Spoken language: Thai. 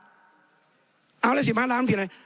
เอาแล้วสิบห้าร้านมันผิดอะไร